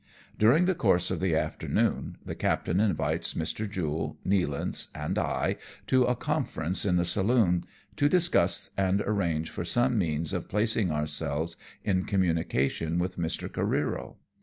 During the course of the afternoon, the captain invites Mr. Jule, Nealance and I to a conference in the saloon, to discuss and arrange for some means of placing ourselves in communication with Mr. Careero.